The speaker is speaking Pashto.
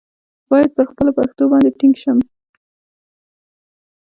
باید پر خپله پښتو باندې ټینګ شم.